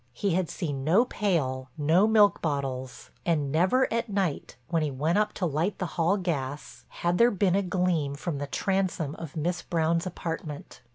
He had seen no pail, no milk bottles, and never at night, when he went up to light the hall gas, had there been a gleam from the transom of Miss Brown's apartment.